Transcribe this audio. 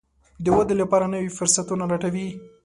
د ودې لپاره نوي فرصتونه لټوي.